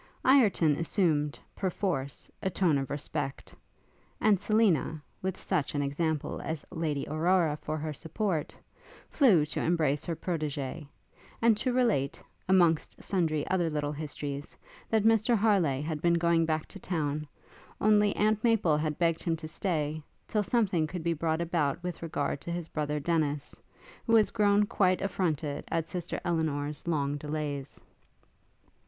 Ireton assumed, perforce, a tone of respect; and Selina, with such an example as Lady Aurora for her support, flew to embrace her protégée; and to relate, amongst sundry other little histories, that Mr Harleigh had been going back to town, only Aunt Maple had begged him to stay, till something could be brought about with regard to his brother Dennis, who was grown quite affronted at sister Elinor's long delays.